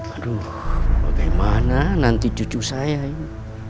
aduh bagaimana nanti cucu saya ini